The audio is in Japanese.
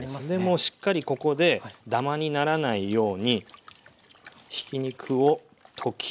もうしっかりここでダマにならないようにひき肉を溶きます。